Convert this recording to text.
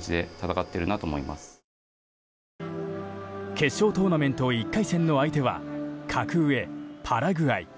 決勝トーナメント１回戦の相手は格上パラグアイ。